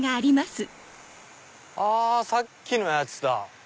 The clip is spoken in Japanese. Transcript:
あさっきのやつだ！